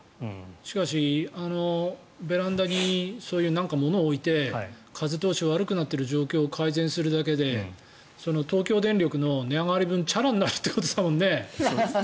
しかし、ベランダにそういう物を置いて風通しが悪くなっている状況を改善するだけで、東京電力の値上がり分がチャラになるということだもんね。